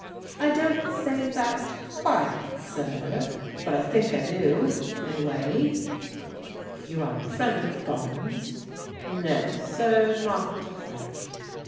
"I don't say that, quite, sir, but I think I do, in a way." " You are a friend of Barnes ?"" No, sir, not a friend.